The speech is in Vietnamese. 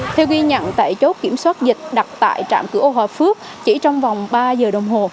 theo ghi nhận tại chốt kiểm soát dịch đặt tại trạm cửa âu hòa phước chỉ trong vòng ba giờ đồng hồ